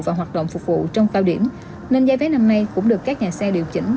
và hoạt động phục vụ trong cao điểm nên giá vé năm nay cũng được các nhà xe điều chỉnh